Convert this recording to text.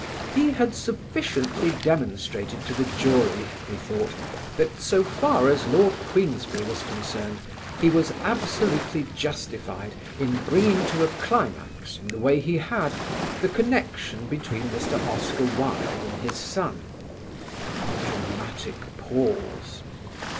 He had sufficiently demonstrated to the jury, he thought, that, so far as Lord Queensberry was concerned, he was absolutely justified in bringing to a climax in the way he had, the connection between Mr. Oscar Wilde and his son. A dramatic pause.